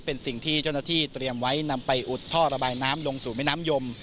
เป็นสิ่งที่เจ้าหน้าที่เตรียมไว้นำไปอุดท่อระบายน้ำลงสู่แม่น้ำยม